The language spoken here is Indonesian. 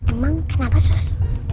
emang kenapa sus